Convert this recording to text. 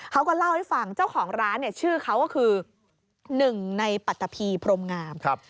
เขาก็เล่าให้ฟังเจ้าของร้านเนี่ยชื่อเขาก็คือหนึ่งในปัตตะพีพรมงาม